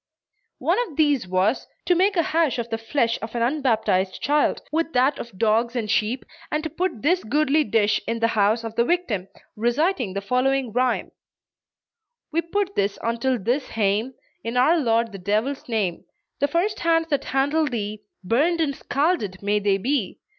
One of these was, to make a hash of the flesh of an unbaptised child, with that of dogs and sheep, and to put this goodly dish in the house of the victim, reciting the following rhyme: "We put this untill this hame In our Lord the Devil's name; The first hands that handle thee. Burned and scalded may they be!